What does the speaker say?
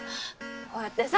こうやってさ